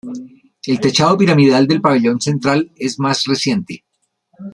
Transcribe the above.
El techado piramidal del pabellón central es más reciente.